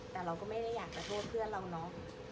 แต่เราก็ไม่ได้อยากจะโทษเพื่อนเราเนอะ